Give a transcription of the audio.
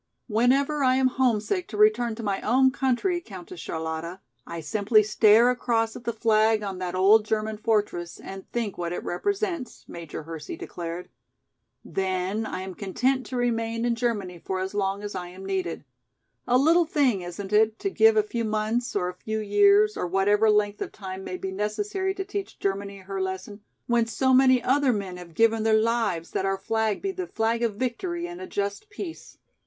"Whenever I am homesick to return to my own country, Countess Charlotta, I simply stare across at the flag on that old German fortress and think what it represents," Major Hersey declared. "Then I am content to remain in Germany for as long as I am needed. A little thing, isn't it, to give a few months, or a few years, or whatever length of time may be necessary to teach Germany her lesson, when so many other men have given their lives that our flag be the flag of victory and a just peace!"